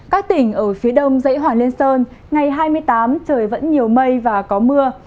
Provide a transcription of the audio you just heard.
các tỉnh ở phía đông dãy hòa lên sơn ngày hai mươi tám trời vẫn nhiều mây và có mưa